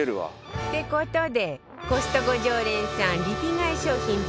って事でコストコ常連さんリピ買い商品